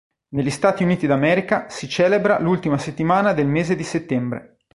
Negli Stati Uniti d'America si celebra l'ultima settimana del mese di settembre.